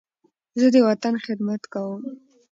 زه د وطن خدمت کوم.